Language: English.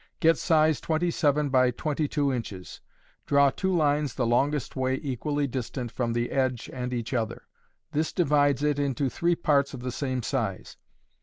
Get size twenty seven by twenty two inches. Draw two lines the longest way equally distant from the edge and each other. This divides it into three parts of the same size.